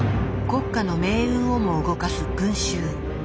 国家の命運をも動かす群衆。